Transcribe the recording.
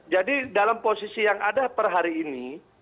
jadi dalam posisi yang ada per hari ini